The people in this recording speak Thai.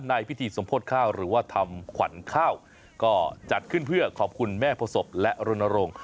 ในพิธีสมโพธิข้าวหรือว่าทำขวัญข้าวก็จัดขึ้นเพื่อขอบคุณแม่โภษบและรณรงค์